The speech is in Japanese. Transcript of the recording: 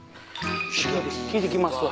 聞いてきますわ。